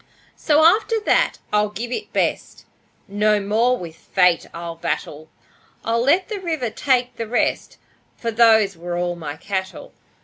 So after that I'll give it best; No more with Fate I'll battle. I'll let the river take the rest, For those were all my cattle.